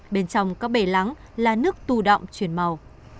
bên trong có bể lắng là nước tù động chuyển màu